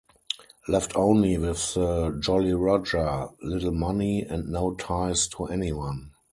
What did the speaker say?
Left only with the Jolly Roger, little money, and no ties to anyone.